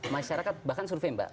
masyarakat bahkan survei mbak